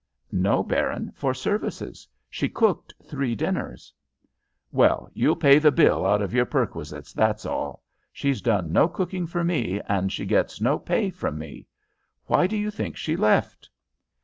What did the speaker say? "No, Baron; for services. She cooked three dinners." "Well, you'll pay the bill out of your perquisites, that's all. She's done no cooking for me, and she gets no pay from me. Why do you think she left?"